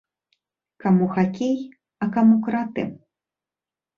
Каму хакей, а каму краты.